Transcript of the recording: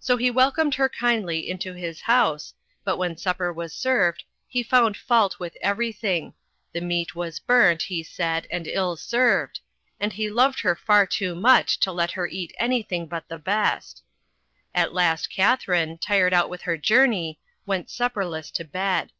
So he welcomed her kindly to his house, but when supper was served he found fault with everything — the meat was burnt, he said, and ill served, and he loved her far too much to let her eat anything but the best. At last Katharine, tired out with her jour ney, went supperless to bed.